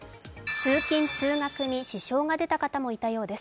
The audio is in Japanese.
通勤・通学に支障が出た方もいたようです。